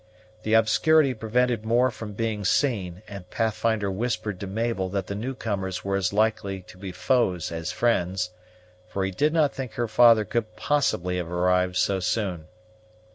The obscurity prevented more from being seen; and Pathfinder whispered to Mabel that the new comers were as likely to be foes as friends, for he did not think her father could possibly have arrived so soon.